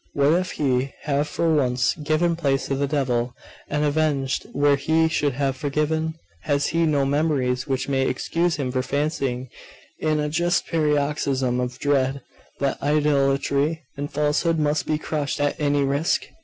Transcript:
What if he have for once given place to the devil, and avenged where he should have forgiven? Has he no memories which may excuse him for fancying, in a just paroxysm of dread, that idolatry and falsehood must be crushed at any risk?